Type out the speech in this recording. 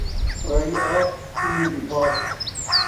پرائی آس، کُنے دی باس